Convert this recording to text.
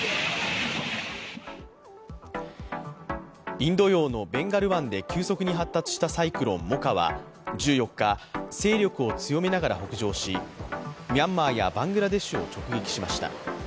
インド洋のベンガル湾で急速に発達したサイクロン、モカは１４日、勢力を強めながら北上しミャンマーやバングラデシュを直撃しました。